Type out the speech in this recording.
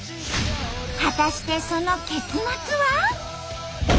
果たしてその結末は？